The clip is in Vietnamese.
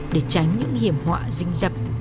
để tránh những hiểm họa dinh dập